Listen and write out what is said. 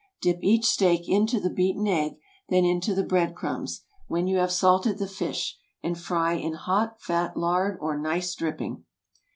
Dip each steak into the beaten egg, then into the bread crumbs (when you have salted the fish), and fry in hot fat, lard, or nice dripping.